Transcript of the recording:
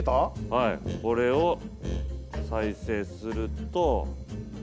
これを再生すると。